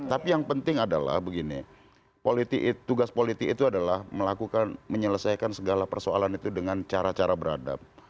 tapi yang penting adalah begini tugas politik itu adalah melakukan menyelesaikan segala persoalan itu dengan cara cara beradab